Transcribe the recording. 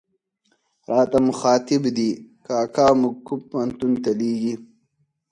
راته مخاطب دي، کاکا موږ کوم پوهنتون ته لېږې.